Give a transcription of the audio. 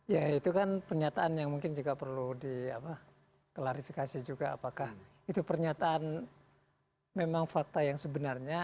ya itu kan pernyataan yang mungkin juga perlu diklarifikasi juga apakah itu pernyataan memang fakta yang sebenarnya